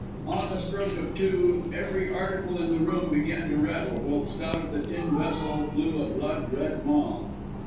On the stroke of two every article in the room began to rattle, whilst out of the tin vessel flew a blood red moth.